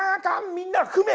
みんな踏め！